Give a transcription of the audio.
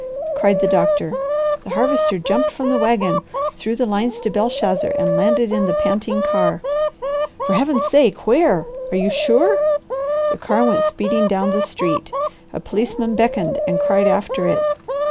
cried the doctor. The Harvester jumped from the wagon, threw the lines to Belshazzar, and landed in the panting car. "For Heaven's sake where? Are you sure?" The car went speeding down the street. A policeman beckoned and cried after it.